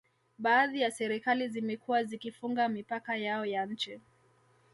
Baadhi ya serikali zimekuwa zikifunga mipaka yao ya nchi